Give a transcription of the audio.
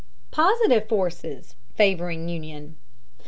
POSITIVE FORCES FAVORING UNION.